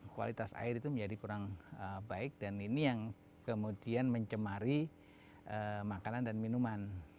kualitas air itu menjadi kurang baik dan ini yang kemudian mencemari makanan dan minuman